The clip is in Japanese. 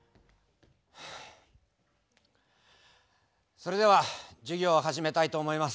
それでは授業を始めたいと思います。